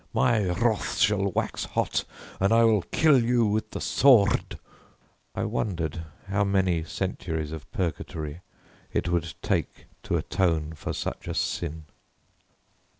My wrath shall wax hot and I will kill you with the sworrrrd!" I wondered how many centuries of purgatory it would take to atone for such a sin.